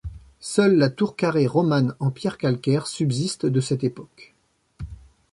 Seule la tour carrée romane en pierres calcaires subsiste de cette époque.